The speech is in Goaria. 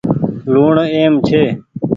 لوُڻ اهم ڇي۔